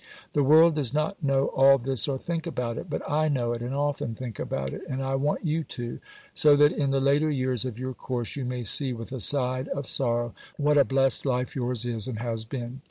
The world does not know all this or think about it. But I know it and often think about it, and I want you to, so that in the later years of your course you may see (with a side of sorrow) what a blessed life yours is and has been.